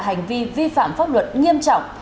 hành vi vi phạm pháp luật nghiêm trọng